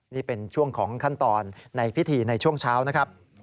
นี่เป็นช่วงของขั้นตอนในพิธีในช่วงเช้านะครับ